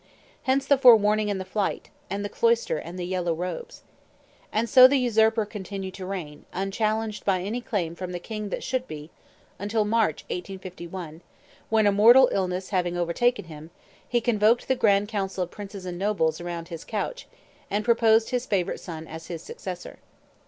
Hence the forewarning and the flight, the cloister and the yellow robes. And so the usurper continued to reign, unchallenged by any claim from the king that should be, until March, 1851, when, a mortal illness having overtaken him, he convoked the Grand Council of princes and nobles around his couch, and proposed his favorite son as his successor.